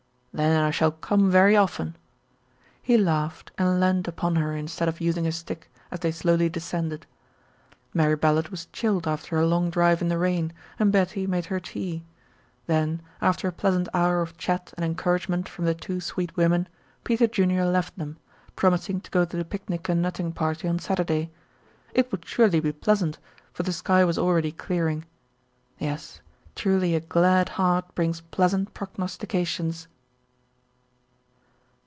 "Then I shall come very often." He laughed and leaned upon her instead of using his stick, as they slowly descended. Mary Ballard was chilled after her long drive in the rain, and Betty made her tea. Then, after a pleasant hour of chat and encouragement from the two sweet women, Peter Junior left them, promising to go to the picnic and nutting party on Saturday. It would surely be pleasant, for the sky was already clearing. Yes, truly a glad heart brings pleasant prognostications.